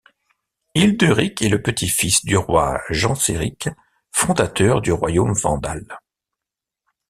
Hildéric est le petit-fils du roi Genséric, fondateur du royaume vandale.